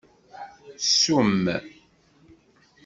Summ.